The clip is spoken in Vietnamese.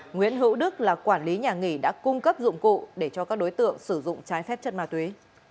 nguyễn hữu đức là quản lý nhà nghỉ đã cung cấp dụng cụ để cho các đối tượng sử dụng trái phép chất ma túy